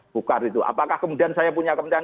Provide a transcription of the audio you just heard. buka gitu apakah kemudian saya punya kepentingan